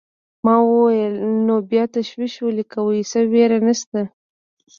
ما وویل: نو بیا تشویش ولې کوې، څه وېره نشته.